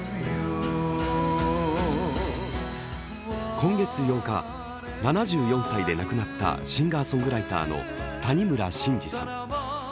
今月８日、７４歳で亡くなったシンガーソングライターの谷村新司さん。